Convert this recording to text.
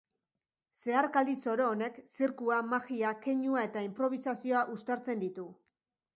Zeharkaldi zoro honek zirkua, magia, keinua eta inprobisazioa uztartzen ditu.